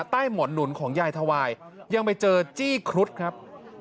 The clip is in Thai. ใต้หมอนหนุนของยายทวายยังไปเจอจี้ครุฑครับ